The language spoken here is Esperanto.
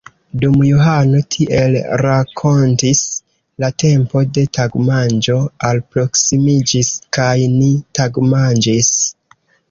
Dum Johano tiel rakontis, la tempo de tagmanĝo alproksimiĝis, kaj ni tagmanĝis.